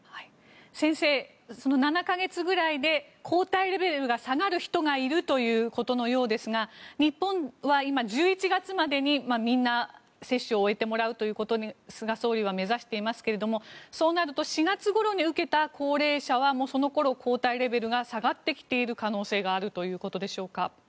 先生、７か月ぐらいで抗体レベルが下がる人がいるそうですが日本は今、１１月までにみんな接種を終えてもらうということを菅総理は目指していますがそうなると４月ごろに受けた高齢者はその頃、抗体レベルが下がってきている可能性があるということでしょうか。